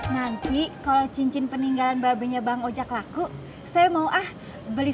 nanti kalau cincin peninggalan babenya bang ojek laku saya mau ah beli